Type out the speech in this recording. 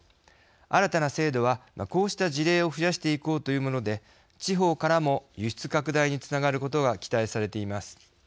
新たな制度は、こうした事例を増やしていこうというもので地方からも輸出拡大につながることが期待されています。